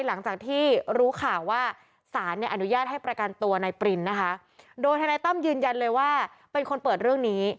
หลังจากที่รู้ข่าวว่าสารเนี่ยอนุญาตให้ประกันตัวนายปรินนะคะโดยทนายตั้มยืนยันเลยว่าเป็นคนเปิดเรื่องนี้